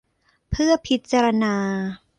เพื่อพิจารณา